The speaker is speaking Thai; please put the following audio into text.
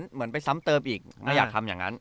เหมือนไปซ้ำเติมอีกไม่อยากทำอย่างนั้น